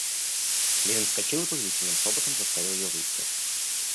Левин вскочил и повелительным шопотом заставил ее выйти.